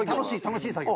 楽しい作業。